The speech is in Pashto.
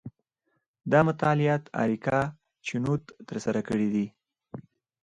دا مطالعات اریکا چینوت ترسره کړي دي.